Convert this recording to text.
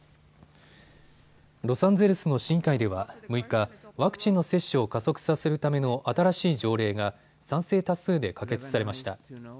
ロサンゼルスの市議会では６日、ワクチンの接種を加速させるための新しい条例が賛成多数で可決されました。